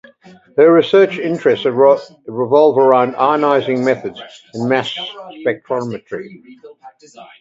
Her research interests revolve around ionizing methods in mass spectrometry.